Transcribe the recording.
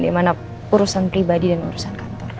dimana urusan pribadi dan urusan kantor